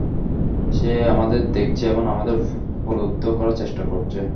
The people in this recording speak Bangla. সে আমাদের দেখছে এবং আমাদের প্রলুব্ধ করার চেষ্টা করছে।